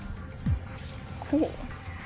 こう？